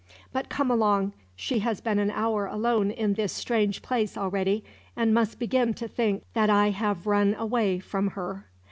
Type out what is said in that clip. "But come along; she has been an hour alone in this strange place, already, and must begin to think that I have run away from her."